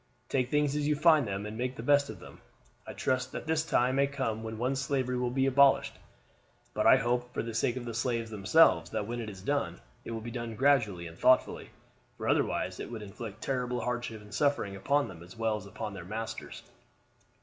Take things as you find them and make the best of them. I trust that the time may come when slavery will be abolished; but I hope, for the sake of the slaves themselves, that when this is done it will be done gradually and thoughtfully, for otherwise it would inflict terrible hardship and suffering upon them as well as upon their masters."